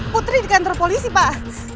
putri di kantor polisi pak